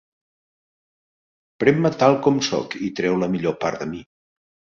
Pren-me tal com sóc i treu la millor part de mi.